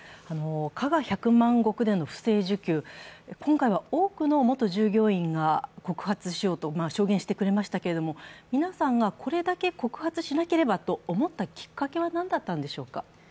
加賀百万石での不正受給、今回は多くの元従業員が告発しようと証言してくれましたけれども、皆さんがこれだけ告発しなければと思ったきっかけは何だったのでしょうか？